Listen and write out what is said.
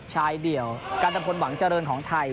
เดี่ยวกันตะพลหวังเจริญของไทย